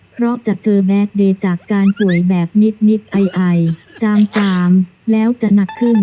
เพราะจะเจอแดดเดย์จากการป่วยแบบนิดไอจามแล้วจะหนักขึ้น